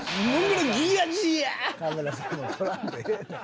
カメラさんも撮らんでええねん。